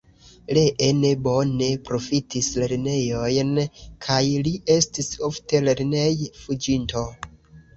Lee ne bone profitis lernejojn, kaj li estis ofte lernej-fuĝinto.